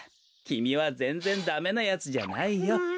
きみはぜんぜんダメなやつじゃないよ。